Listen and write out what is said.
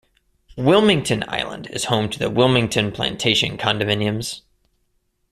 Wilmington Island is home to the Wilmington Plantation condominiums.